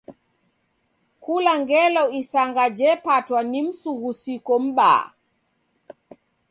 Kula ngelo isanga jepatwa ni msughusiko m'baa.